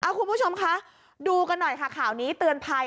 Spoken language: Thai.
คุณผู้ชมคะดูกันหน่อยค่ะข่าวนี้เตือนภัย